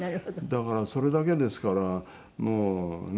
だからそれだけですからもうねえ